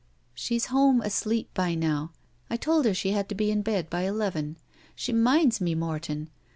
"'She's home asleep by now. I told her she had to be in bed by eleven. She minds me, Morton.